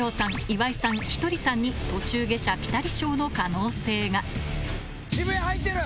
岩井さんひとりさんに途中下車ピタリ賞の可能性が渋谷入ってる！